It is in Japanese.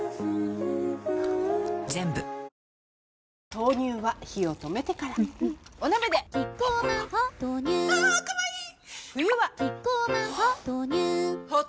豆乳は火を止めてからうんうんお鍋でキッコーマン「ホッ」豆乳あかわいい冬はキッコーマン「ホッ」